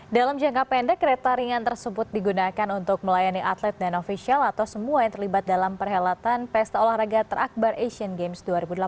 dalam jangka pendek kereta ringan tersebut digunakan untuk melayani atlet dan ofisial atau semua yang terlibat dalam perhelatan pesta olahraga terakbar asian games dua ribu delapan belas